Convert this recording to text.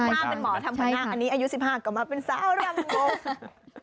อายุ๑๕เป็นหมอทำขวานหน้าอันนี้อายุ๑๕กละมาเป็นทราบ